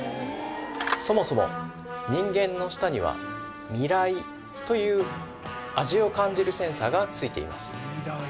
そもそも人間の舌には味蕾という味を感じるセンサーがついています